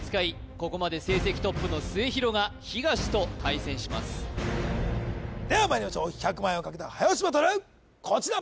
ここまで成績トップの末廣が東と対戦しますではまいりましょう１００万円をかけた早押しバトルこちら